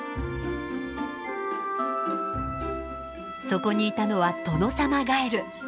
そこにいたのはトノサマガエル。